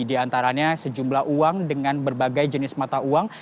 diantaranya sejumlah uang dengan berbagai jenis mata uang